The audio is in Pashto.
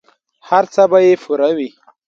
هر څه به یې پوره وي.